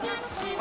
あ。